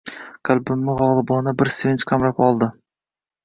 Qalbimni gʻolibona bir sevinch qamrab oldi.